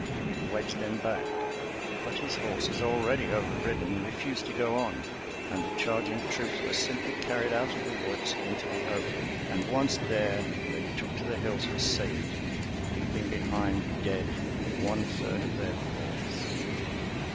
He wedged them back, but his horses, already overridden, refused to go on, and the charging troops were simply carried out of the woods into the open, and once there they took to the hills for safety, leaving behind, dead, one third of their force.